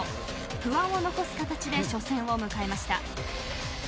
不安を残す形で初戦を迎えました。